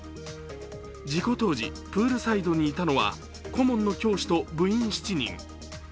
事故当時、プールサイドにいたのは顧問の教師と部員７人。